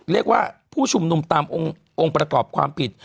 เรียกว่าผู้ชุมนุมตามองค์ประกอบความผิด